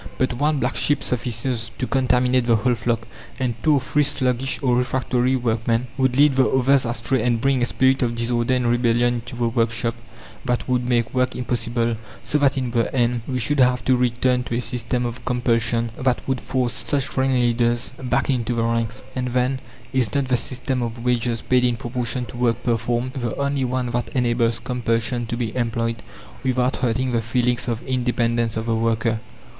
But one black sheep suffices to contaminate the whole flock, and two or three sluggish or refractory workmen would lead the others astray and bring a spirit of disorder and rebellion into the workshop that would make work impossible; so that in the end we should have to return to a system of compulsion that would force such ringleaders back into the ranks. And then, Is not the system of wages, paid in proportion to work performed, the only one that enables compulsion to be employed, without hurting the feelings of independence of the worker?